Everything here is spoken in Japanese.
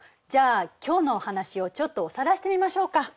じゃあ今日のお話をちょっとおさらいしてみましょうか。